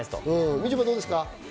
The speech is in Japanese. みちょぱ、どうですか？